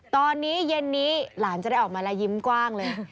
ตอนนี้เย็นนี้หลานจะได้ออกมาแล้วยิ้มกว้างเลย